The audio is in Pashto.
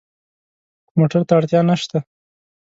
موټر ته اړتیا نه شته.